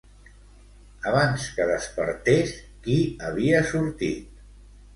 Abans que despertés, qui havia sortit?